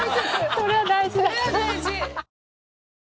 それは大事。